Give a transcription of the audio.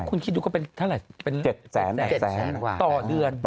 คุณคิดดูก็เป็นเท่าไหร่เป็น๗แสนต่อเดือน